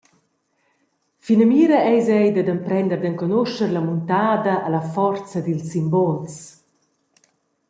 Finamira eis ei dad emprender d’enconuscher la muntada e la forza dils simbols.